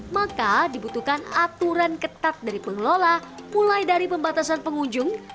maka dibutuhkan aturan ketat dari pengelola mulai dari pembatasan pengunjung